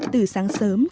từ sáng sớm